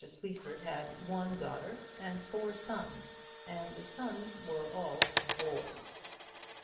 Sleaford had one daughter and four sons, and the sons were all boys.